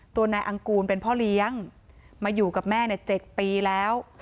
ตัวนายอังกูลเป็นพ่อเลี้ยงมาอยู่กับแม่๗ปีแล้ว